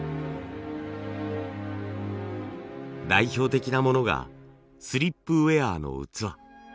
代表的なものがスリップウェアの器。